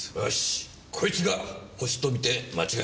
こいつがホシと見て間違いないな。